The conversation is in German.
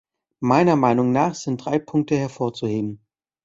Meiner Meinung nach sind drei Punkte hervorzuheben.